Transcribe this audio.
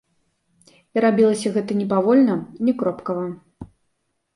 І рабілася гэта не павольна, не кропкава.